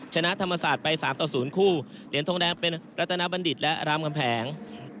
ชนะธรรมศาสตร์ไป๓ต่อ๐คู่เหรียญทองแดงเป็นรัตนบัณฑิตและรามคำแผง